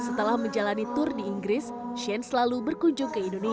setelah menjalani tour di inggris shane selalu berkunjung ke indonesia